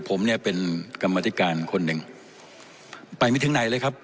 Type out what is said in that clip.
ผมเนี่ยเป็นกรรมธิการคนหนึ่งไปไม่ถึงไหนเลยครับ